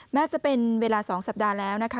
แม้จะเป็นเวลา๒สัปดาห์แล้วนะคะ